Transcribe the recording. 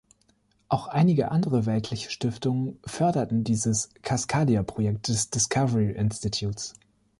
Auch einige andere weltliche Stiftungen förderten dieses Cascadia-Projekt des Discovery Institutes.